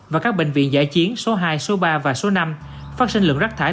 và các bệnh viện giã chiến số hai số ba và số năm phát sinh lượng rác thải